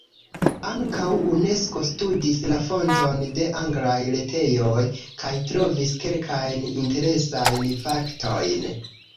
Ankaŭ Unesko studis la fonton de anglaj retejoj, kaj trovis kelkajn interesajn faktojn: